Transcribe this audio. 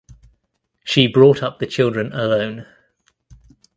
She brought up the children alone.